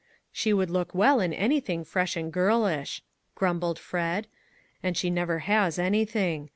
" She would look well in anything fresh and girlish," grumbled Fred, " and she never has anything.